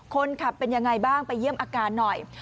คนขับเป็นยังไงบ้างไปเยี่ยมอาการหน่อย